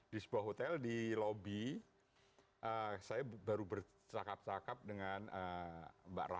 di sebuah hotel di lobi saya baru bercakap cakap dengan mbak ratna